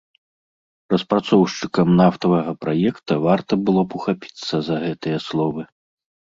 Распрацоўшчыкам нафтавага праекта варта было б ухапіцца за гэтыя словы.